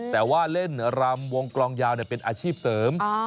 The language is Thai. แต่ว่าเล่นรำวงกลองยาวเป็นอาชีพเสริม